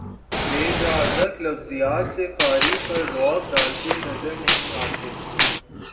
بے جا ادق لفظیات سے قاری پر رعب ڈالتے نظر نہیں آتے